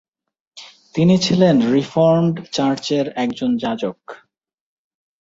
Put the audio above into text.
তিনি ছিলেন রিফর্মড চার্চের একজন যাজক।